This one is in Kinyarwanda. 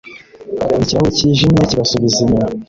Ikirahure cyijimye kibasubiza inyuma